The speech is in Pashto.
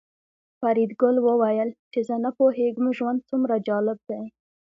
فریدګل وویل چې زه نه پوهېږم ژوند څومره جالب دی